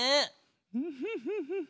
フフフフフ。